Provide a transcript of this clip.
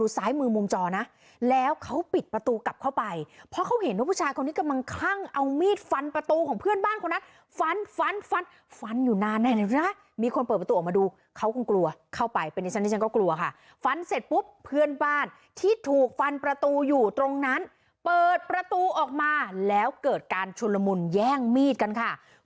ซ้ายมือมุมจอนะแล้วเขาปิดประตูกลับเข้าไปเพราะเขาเห็นว่าผู้ชายคนนี้กำลังคลั่งเอามีดฟันประตูของเพื่อนบ้านคนนั้นฟันฟันฟันฟันอยู่นานเลยนะมีคนเปิดประตูออกมาดูเขาคงกลัวเข้าไปเป็นดิฉันที่ฉันก็กลัวค่ะฟันเสร็จปุ๊บเพื่อนบ้านที่ถูกฟันประตูอยู่ตรงนั้นเปิดประตูออกมาแล้วเกิดการชุนละมุนแย่งมีดกันค่ะ